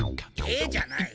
「えっ？」じゃない。